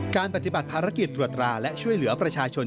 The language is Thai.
ปฏิบัติภารกิจตรวจราและช่วยเหลือประชาชน